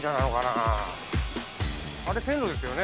あれ線路ですよね？